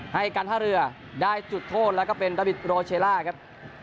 ให้การท่าเรือได้จุดโทษแล้วก็เป็นดาบิดโรเชล่าครับ